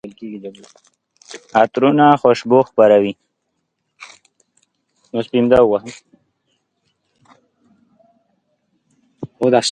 عطرونه خوشبويي خپروي.